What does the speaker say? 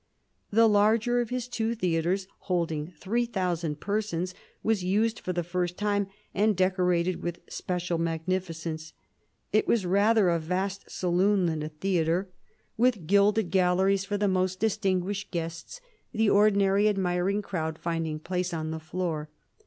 The larger of his two theatres, holding three thousand persons, was used for the first time and decorated with special magnificence. It was rather a vast saloon than a theatre, with gilded THE CARDINAJL 247 galleries for the most distinguished guests ; the. ordinary admiring crowd finding place on the floor.